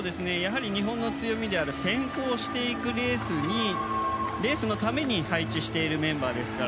日本の強みである先行していくレースのために配置しているメンバーですから。